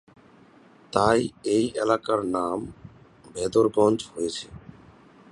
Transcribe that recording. তাই এই এলাকার নাম ভেদরগঞ্জ হয়েছে।